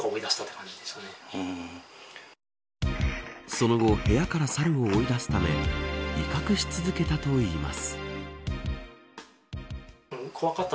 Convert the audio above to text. その後、部屋から猿を追い出すため威嚇し続けたといいます。